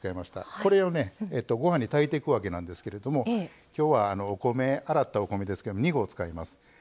これをご飯に炊いていくわけなんですけれどもきょうは、洗ったお米２合使います。